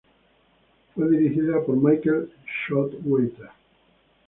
Fue dirigida por Michael Showalter.